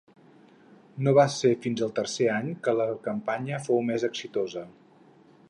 No va ser fins al tercer any que la campanya fou més exitosa.